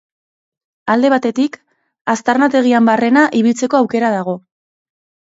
Alde batetik, aztarnategian barrena ibiltzeko aukera dago.